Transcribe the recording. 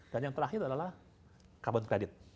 dan yang terakhir adalah carbon credit